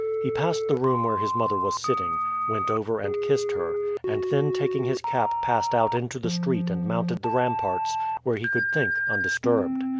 He passed the room where his mother was sitting, went over and kissed her, and then taking his cap passed out into the street and mounted the ramparts, where he could think undisturbed.